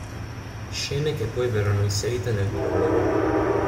Scene che poi verranno inserite nel prologo.